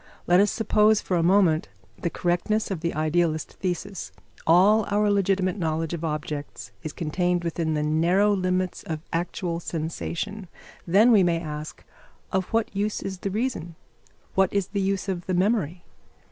Let us suppose for a moment the correctness of the idealist thesis: all our legitimate knowledge of objects is contained within the narrow limits of actual sensation; then, we may ask, of what use is the reason? What is the use of the memory?